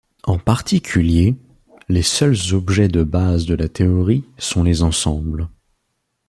En particulier, les seuls objets de base de la théorie sont les ensembles.